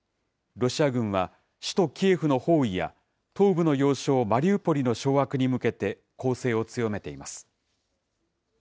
ロシア軍は首都キエフの包囲や、東部の要衝マリウポリの掌握に向けて、攻勢を強めています。